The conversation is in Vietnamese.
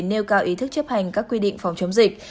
nêu cao ý thức chấp hành các quy định phòng chống dịch